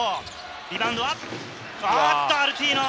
リバウンドはアルティーノ！